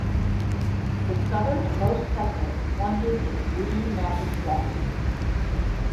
The southernmost segment plunges in three massive steps.